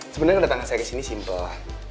sebenernya kedatangan saya kesini simpel